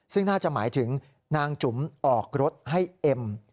ซึ่งน่าจะหมายถึงนางจุ๋มออกรถให้เอ็ม